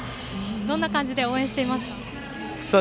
どんな感じで応援していますか。